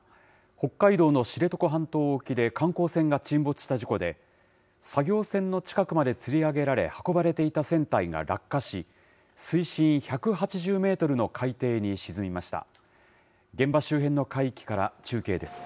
北海道の知床半島沖で観光船が沈没した事故で、作業船の近くまでつり上げられ、運ばれていた船体が落下し、水深１８０メートルの海底に沈みました。